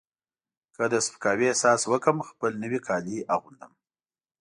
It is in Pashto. که د سپکاوي احساس وکړم خپل نوي کالي اغوندم.